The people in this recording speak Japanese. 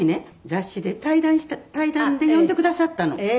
雑誌で対談で呼んでくださったの。